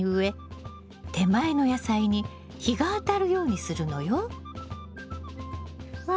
手前の野菜に日が当たるようにするのよ。わ